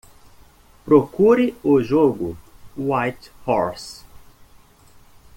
Procure o jogo Whitehorse